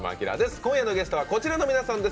今夜のゲストはこちらの皆さんです。